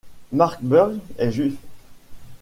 Mark Burg est juif.